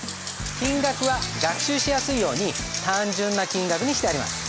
金額は学習しやすいように単純な金額にしてあります。